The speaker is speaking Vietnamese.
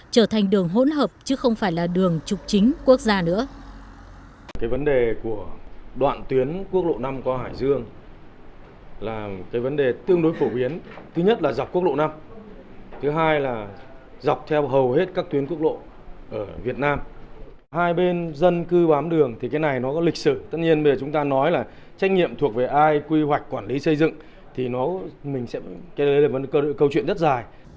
trở thành đường hỗn hợp chứ không phải là đường trục chính quốc gia nữa